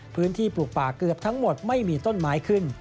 ปลูกป่าเกือบทั้งหมดไม่มีต้นไม้ขึ้น